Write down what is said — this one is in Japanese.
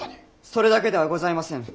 それだけではございません。